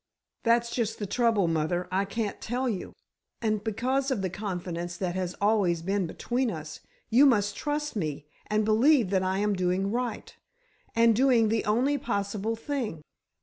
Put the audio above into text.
"That's just the trouble, mother. I can't tell you. And because of the confidence that has always been between us, you must trust me and believe that I am doing right—and doing the only possible thing.